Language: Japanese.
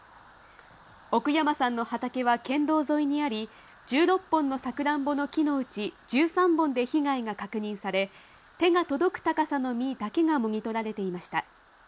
奥山さんの畑は県道沿いにあり、１６本のサクランボの木のうち、１３本で被害が確認され、手が届く高さの実だけがもぎ取られていました。